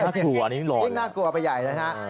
น่ากลัวอันนี้อีกน่ากลัวไปใหญ่แล้วนะ